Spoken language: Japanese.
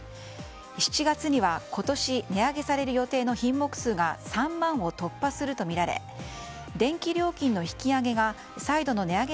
７月には今年値上げされる予定の品目数が３万を突破するとみられ電気料金の引き上げが再度の値上げ